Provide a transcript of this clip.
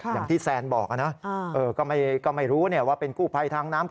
อย่างที่แซนบอกนะก็ไม่รู้ว่าเป็นกู้ภัยทางน้ำ